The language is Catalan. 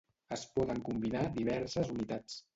Es poden combinar diverses unitats.